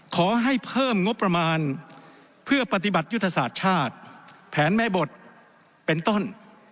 ขอให้เพิ่มงบประมาณเพื่อปฏิบัติยุทธศาสตร์ชาติแผนแม่บทเป็นต้น